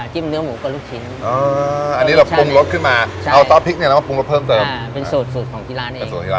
จิ้มเนื้อหมูกับลูกชิ้น